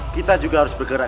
kita juga harus bergerak